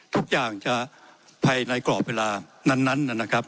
ทุกอย่างจะภายในกรอบเวลานั้น